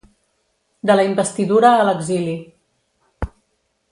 De la investidura a l’exili.